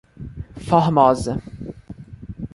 Formosa